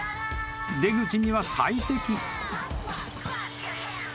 ［出口には最適］